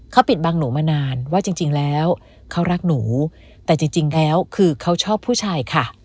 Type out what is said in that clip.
เขาปิดบังหนูมานานว่าจริงแล้วเขารักหนูแต่จริงแล้วคือเขาชอบผู้ชายค่ะ